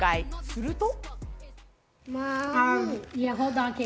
すると。